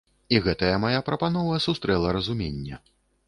І гэтая мая прапанова сустрэла разуменне.